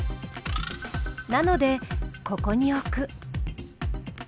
なのでここに置く。